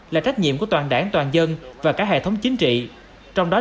là trách nhiệm của toàn đảng toàn dân và các hệ thống chính trị